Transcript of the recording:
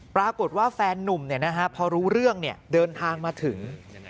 ปรากฏว่าแฟนนุ่มพอรู้เรื่องเดินทางมาถึง